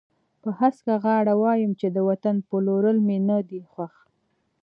په هسکه غاړه وایم چې د وطن پلورل مې نه دي خوښ.